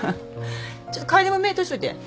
ちょっと楓も目通しといて。